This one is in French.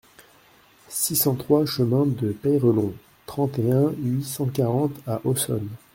six cent trois cHEMIN DE PEYRELONG, trente et un, huit cent quarante à Aussonne